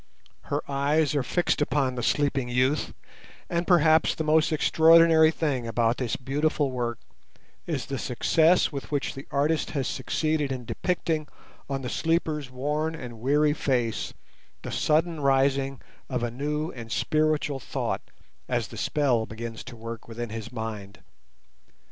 Her eyes are fixed upon the sleeping youth, and perhaps the most extraordinary thing about this beautiful work is the success with which the artist has succeeded in depicting on the sleeper's worn and weary face the sudden rising of a new and spiritual thought as the spell begins to work within his mind.